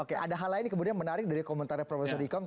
oke ada hal lain yang menarik dari komentarnya profesor dikom